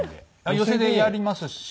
寄席でやりますし。